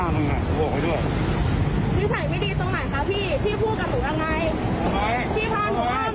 มึงเป็นใคร